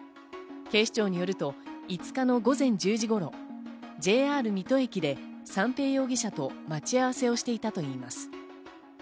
警視庁によると５日の午前１０時頃、ＪＲ水戸駅で三瓶容疑者と待ち合わせをしていたといいます。